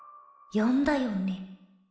よんだよね？